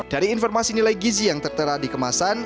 dari informasi nilai gizi yang tertera di kemasan